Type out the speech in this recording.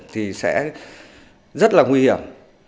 thì sẽ rất là nguy hiểm